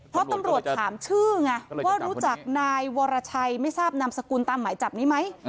เพราะตำรวจถามชื่อไงว่ารู้จักนายวรชัยไม่ทราบนามสกุลตามหมายจับนี้ไหม